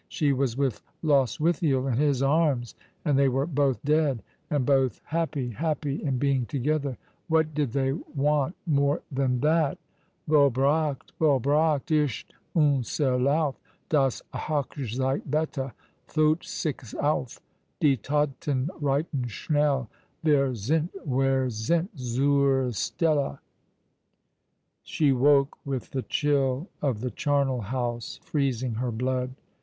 She was with Lostwithiel — in his arms — and they were both dead and both happy — happy in being together. "What did they want more than that ■?" Yollbracht, vollbracht ist un.ser Lauf ! Das ITochzeitbette, thut sich auf I Die Todten reiten schnelle ! Wir sind, wir sind, zur Stelle." She woke with the chill of the charnel house freezing her blood.